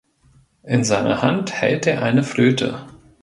In seiner Hand hält er eine Flöte.